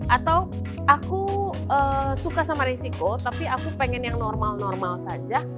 atau aku suka sama resiko tapi aku pengen yang normal normal saja